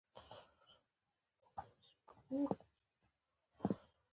موټر چلوونکی مو بدل کړ.